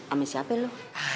amin siapa lu